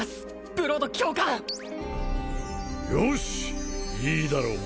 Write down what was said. ブロド教官よしいいだろう